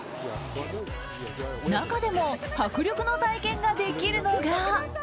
中でも迫力の体験ができるのが。